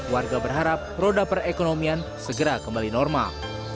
warga berharap roda perekonomian segera kembali normal